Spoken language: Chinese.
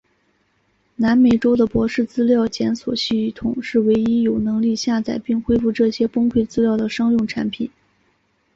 南美州的博士资料检索系统是唯一有能力下载并恢复这些崩溃资料的商用产品。